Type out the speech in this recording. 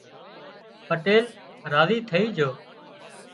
پٽيل راضي ٿئي جھو